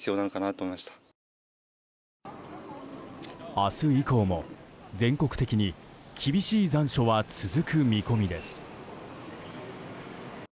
明日以降も、全国的に厳しい残暑は続く見込みです。